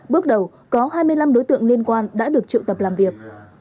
bước đầu có hai mươi năm đối tượng liên quan đã được triệu tập làm việc